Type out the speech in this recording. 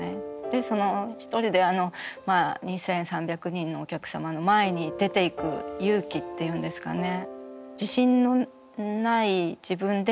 で一人であの２，３００人のお客様の前に出ていく勇気っていうんですかね。